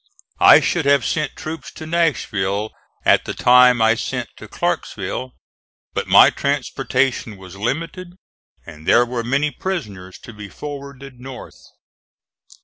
I should have sent troops to Nashville at the time I sent to Clarksville, but my transportation was limited and there were many prisoners to be forwarded north.